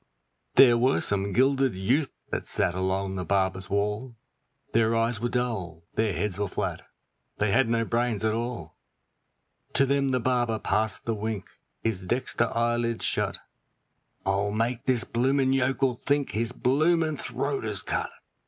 There were some gilded youths that sat along the barber's wall, Their eyes were dull, their heads were flat, they had no brains at all; To them the barber passed the wink, his dexter eyelid shut, 'I'll make this bloomin' yokel think his bloomin' throat is cut.'